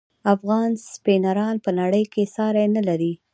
افغان سپینران په نړۍ کې ساری نلري.